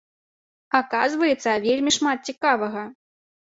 Аказваецца, вельмі шмат цікавага.